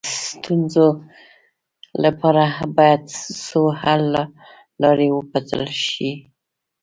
د ستونزو لپاره باید څو حل لارې وپلټل شي.